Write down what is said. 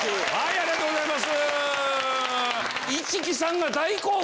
ありがとうございます！